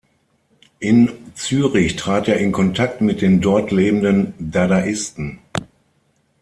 In Zürich trat er in Kontakt mit den dort lebenden Dadaisten.